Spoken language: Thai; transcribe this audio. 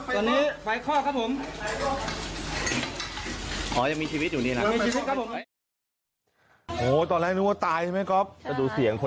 ใส่กระแจมูกก่อนใส่กระแจมูกก่อน